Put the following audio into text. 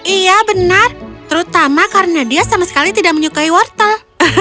iya benar terutama karena dia sama sekali tidak menyukai wortel